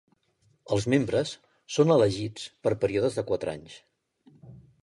Els membres són elegits per períodes de quatre anys.